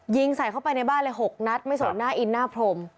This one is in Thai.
ยิงใส่เข้าไปในบ้านเลย๖นัดไม่สนหน้าอินหน้าพรม